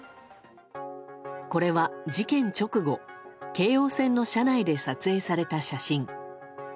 これは事件直後京王線の車内で撮影された写真。